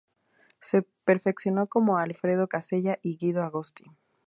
Se perfeccionó con Alfredo Casella y Guido Agosti.